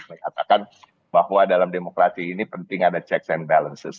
saya katakan bahwa dalam demokrasi ini penting ada checks and balances